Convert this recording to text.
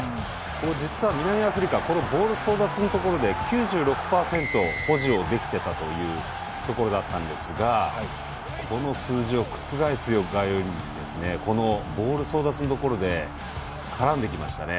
実は南アフリカはボール争奪のところで９６％保持できていたというところだったんですがこの数字を覆すかのようにボール争奪のところで絡んできましたね。